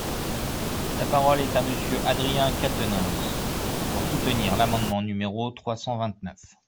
La parole est à Monsieur Adrien Quatennens, pour soutenir l’amendement numéro trois cent vingt-neuf.